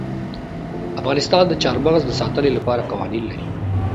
افغانستان د چار مغز د ساتنې لپاره قوانین لري.